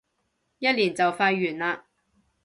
一年就快完嘞